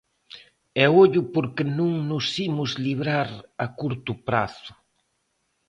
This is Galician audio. E ollo porque non nos imos librar a curto prazo.